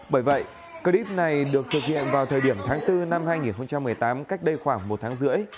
bởi vậy clip này được thực hiện vào thời điểm tháng bốn năm hai nghìn một mươi tám cách đây khoảng một tháng rưỡi